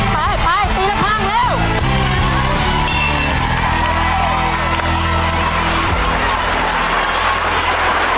ไปตีละคร่างเร็ว